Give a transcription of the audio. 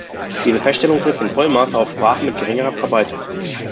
Diese Feststellung trifft in vollem Maße auf Sprachen mit geringerer Verbreitung zu.